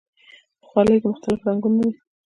خولۍ د مختلفو رنګونو وي.